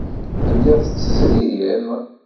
Telliḍ tettezririḍ.